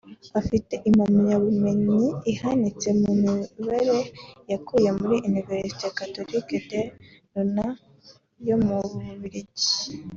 Afite impamyabumenyi ihanitse (degree) mu mibare yakuye muri Université Catholique de Louvain yo mu Bubiligi